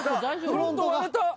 フロント割れた。